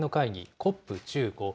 ＣＯＰ１５。